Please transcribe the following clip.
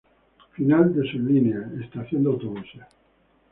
Final de la línea: Estación de autobuses.